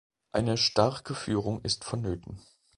Eine starke Führung ist vonnöten.